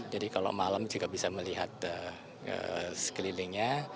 jadi kalau malam juga bisa melihat sekelilingnya